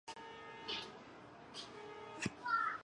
目前正受采金业和非法伐木的威胁。